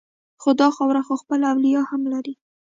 خو دا خاوره خو خپل اولیاء هم لري